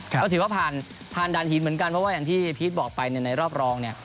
ก็ถือว่าผ่านด่านหินเหมือนกันเพราะว่าอย่างที่พีชบอกไปในรอบรองเนี่ย